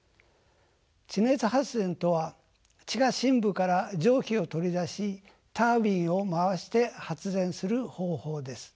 地熱発電とは地下深部から蒸気を取り出しタービンを回して発電する方法です。